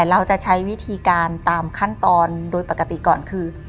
เราจะใช้วิธีการตามขั้นตอนโดยปกติก่อนคือ